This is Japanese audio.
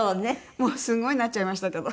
もうすごいなっちゃいましたけど。